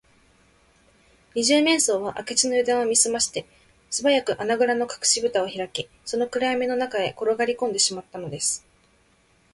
二十面相は明智のゆだんを見すまして、すばやく穴ぐらのかくしぶたをひらき、その暗やみの中へころがりこんでしまったのです